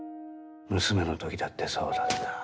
娘の時だってそうだった。